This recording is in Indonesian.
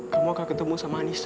kamu akan ketemu sama anissa